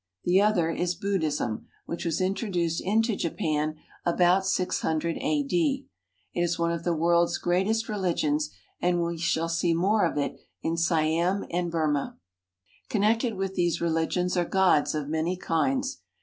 The other is Buddhism, which was introduced into Japan about 600 a.d. It is one of the world's great est religions, and we shall see more of it in Siam and Burma. Connected with these re ligions are gods of many kinds.